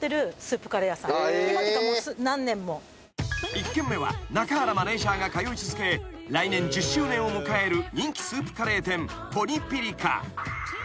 ［１軒目は中原マネジャーが通い続け来年１０周年を迎える人気スープカレー店］